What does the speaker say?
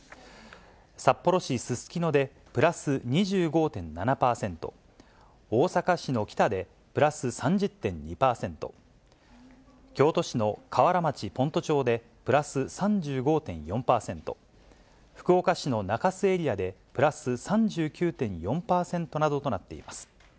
札幌市すすきのでプラス２５．７％、大阪市のキタでプラス３０．２％、京都市の河原町、先斗町でプラス３５．４％、福岡市の中洲エリアでプラス３９．４％などとなっています。